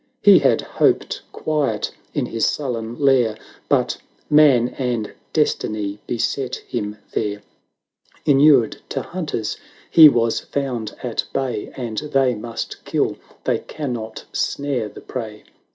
He had hoped quiet in his sullen lair, But Man and Destiny beset him there: Inured to hunters, he was found at bay; 901 And they must kill, they cannot snare the prey.